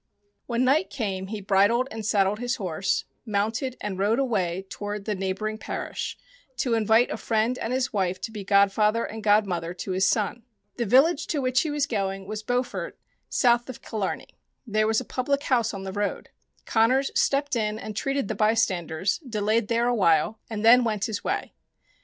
When night came he bridled and saddled his horse, mounted, and rode away toward the neighbouring parish to invite a friend and his wife to be godfather and god mother to his son. The village to which he was going John Connors and the Fairies 7 was Beaufort, south of Killarney. There was a public house on the road. Connors stepped in and treated the bystanders, delayed there a while, and then went his way.